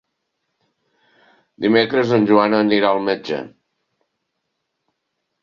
Dimecres en Joan anirà al metge.